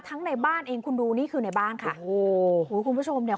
ในบ้านเองคุณดูนี่คือในบ้านค่ะโอ้โหอุ้ยคุณผู้ชมเนี่ย